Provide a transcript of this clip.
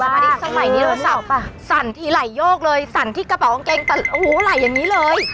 มันก็เสียสมาธิสมัยนี้แล้วสาวป่ะสั่นทีไหล่โยกเลยสั่นที่กระเป๋าองเกงแต่หูไหล่อย่างนี้เลย